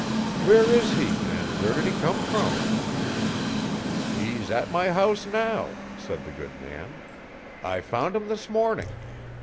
'Where is he and where did he come from?' 'He's at my house now,' said the good man. 'I found him this morning.